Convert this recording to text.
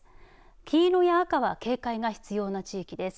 黄色や赤は警戒が必要な地域です。